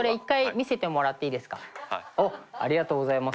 おっありがとうございます。